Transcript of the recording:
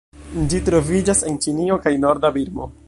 Ĝi troviĝas en Ĉinio kaj norda Birmo.